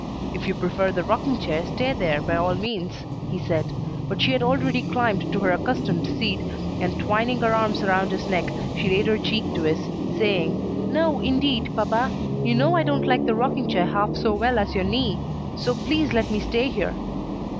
"If you prefer the rocking chair, stay there, by all means," he said. But she had already climbed to her accustomed seat, and, twining her arms around his neck, she laid her cheek to his, saying, "No, indeed, papa; you know I don't like the rocking chair half so well as your knee; so please let me stay here."